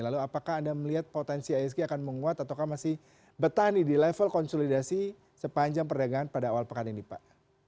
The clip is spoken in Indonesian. lalu apakah anda melihat potensi isg akan menguat ataukah masih betani di level konsolidasi sepanjang perdagangan pada awal pekan ini pak